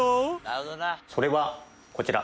それはこちら。